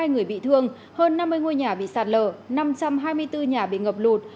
hai mươi người bị thương hơn năm mươi ngôi nhà bị sạt lở năm trăm hai mươi bốn nhà bị ngập lụt